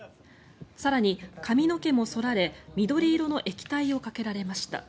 更に、髪の毛も剃られ緑色の液体をかけられました。